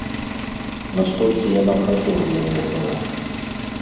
Настолькі яна празорлівая была.